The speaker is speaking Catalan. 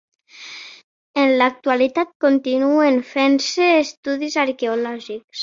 En l'actualitat continuen fent-se estudis arqueològics.